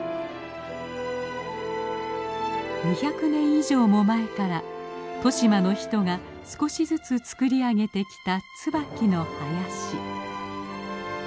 ２００年以上も前から利島の人が少しずつ作り上げてきたツバキの林。